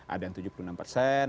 ada yang tujuh puluh enam persen